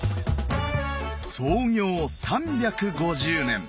創業３５０年。